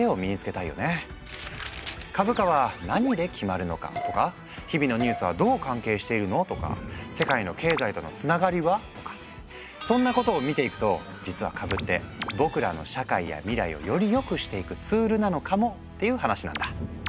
株価は何で決まるのか？とか日々のニュースはどう関係しているの？とか世界の経済とのつながりは？とかそんなことを見ていくと実は株って僕らの社会や未来をよりよくしていくツールなのかも？っていう話なんだ。